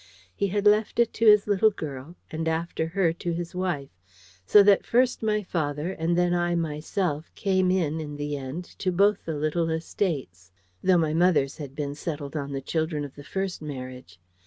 He had left it to his little girl, and after her to his wife; so that first my father, and then I myself, came in, in the end, to both the little estates, though my mother's had been settled on the children of the first marriage.